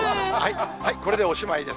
これでおしまいです。